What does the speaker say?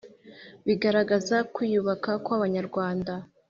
bigaragaza kwiyubaka kw’abanyarwada